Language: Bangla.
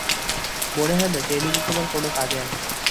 মনে হয় না ট্রেনিং তোমার কোন কাজে আসবে।